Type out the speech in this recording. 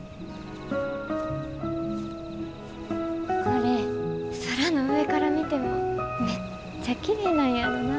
これ空の上から見てもめっちゃきれいなんやろなぁ。